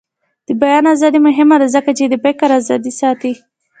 د بیان ازادي مهمه ده ځکه چې د فکر ازادي ساتي.